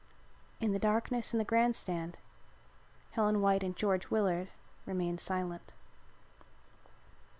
In the darkness in the grand stand Helen White and George Willard remained silent.